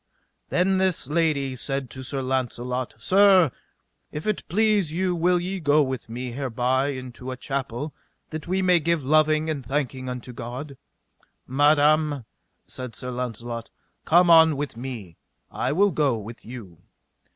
Then this lady said to Sir Launcelot: Sir, if it please you will ye go with me hereby into a chapel that we may give loving and thanking unto God? Madam, said Sir Launcelot, come on with me, I will go with you.